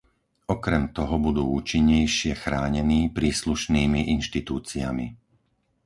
Okrem toho budú účinnejšie chránení príslušnými inštitúciami.